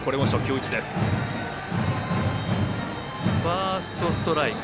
ファーストストライク。